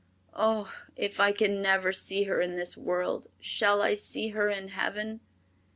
Oh, if I can never see her in this world, shall I see her in heaven?"